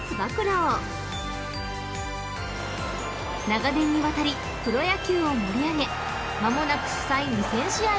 ［長年にわたりプロ野球を盛り上げ間もなく主催２，０００試合